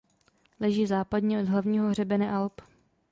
Leží západně od hlavního hřebene Alp.